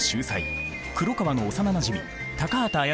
黒川の幼なじみ高畑あ